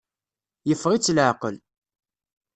Yeffeɣ-itt leɛqel.